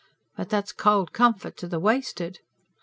But that's cold comfort to the wasted.